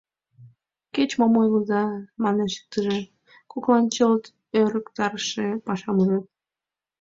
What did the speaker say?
— Кеч-мом ойлыза, — манеш иктыже, — коклан чылт ӧрыктарыше пашам ужат.